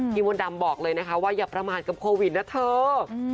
มดดำบอกเลยนะคะว่าอย่าประมาทกับโควิดนะเธอ